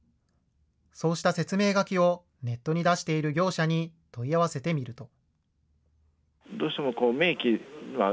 そうした説明書きを、ネットに出している業者に問い合わせてみると。